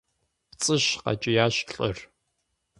– ПцӀыщ! – къэкӀиящ лӏыр.